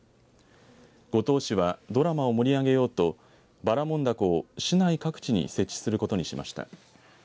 五島市はドラマを盛り上げようとばらもんだこを市内各地に設置することにしました。